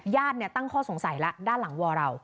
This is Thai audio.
ญาติเนี่ยตั้งข้อสงสัยล่ะด้านหลังวอเรา